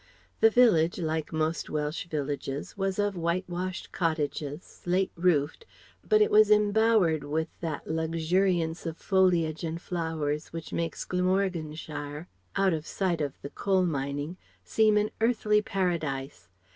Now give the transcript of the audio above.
The village, like most Welsh villages, was of white washed cottages, slate roofed, but it was embowered with that luxuriance of foliage and flowers which makes Glamorganshire out of sight of the coal mining seem an earthly paradise.